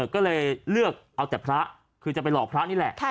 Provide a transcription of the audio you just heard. ก็เลยเลือกเอาแต่พระคือจะไปหลอกพระนี่แหละ